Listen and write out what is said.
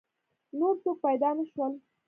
نور څوک پیدا نه شول.